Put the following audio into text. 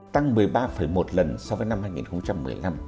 tăng một mươi ba một lần so với năm hai nghìn một mươi năm